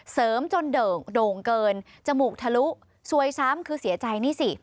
เสริมจนโด่งเกินจมูกทะลุซวยซ้ำคือเสียใจนี่สิ